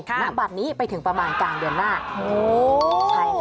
นะบัดนี้ไปถึงประมาณกลางเดือนหน้าใช่ไหมคะอ๋อ